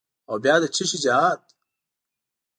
او بیا د چیشي جهاد؟